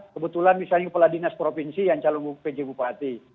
kebetulan misalnya kepala dinas provinsi yang calon pj bupati